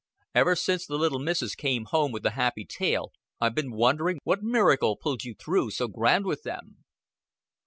Ever since the little Missis came home with the happy tale, I've been wondering what miracle pulled you through so grand with them."